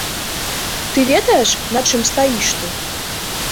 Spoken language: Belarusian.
Ты ведаеш, на чым стаіш ты?!